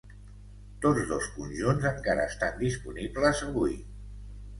Tots dos conjunts encara estan disponibles avui.